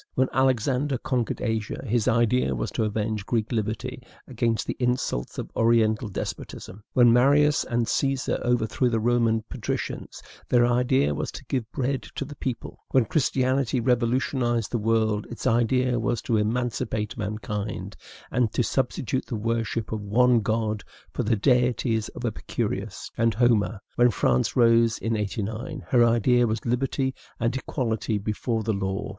When Alexander conquered Asia, his idea was to avenge Greek liberty against the insults of Oriental despotism; when Marius and Caesar overthrew the Roman patricians, their idea was to give bread to the people; when Christianity revolutionized the world, its idea was to emancipate mankind, and to substitute the worship of one God for the deities of Epicurus and Homer; when France rose in '89, her idea was liberty and equality before the law.